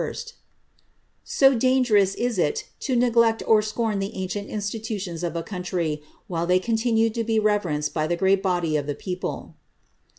''* So dangerous is it to neglect or scorn the ancient institutions of a country, while they continue to be reverenced by the great body of the people.